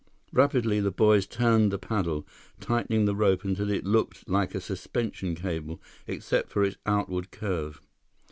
Rapidly, the boys turned the paddle, tightening the rope until it looked like a suspension cable, except for its outward curve.